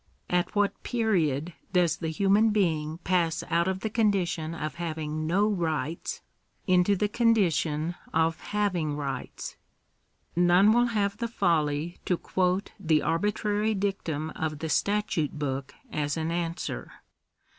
at what period does the human being pass out of the condition of having no rights, into the condition of having rights ? None will have the folly to quote the arbi trary dictum of the statute book as an answer.